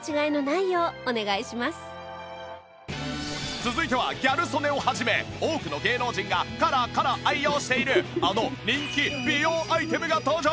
続いてはギャル曽根を始め多くの芸能人がコロコロ愛用しているあの人気美容アイテムが登場！